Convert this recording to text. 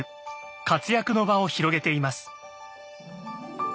活躍の場を広げています。